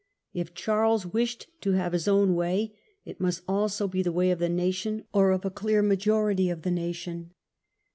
If Charles wished to have his own way it must also be the way of the nation, or of a clear majority of the nation.